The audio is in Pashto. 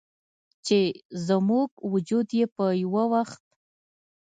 چې زموږ وجود یې په یوه وخت